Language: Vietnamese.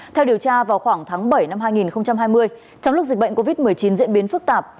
theo điều tra vào khoảng tháng bảy năm hai nghìn hai mươi trong lúc dịch bệnh covid một mươi chín diễn biến phức tạp